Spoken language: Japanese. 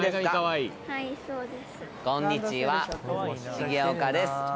重岡です